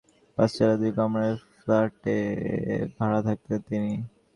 তিনি পূর্ব গোড়ানের একটি বাড়ির পাঁচতলায় দুই কামরার ফ্ল্যাটে ভাড়া থাকতেন তিনি।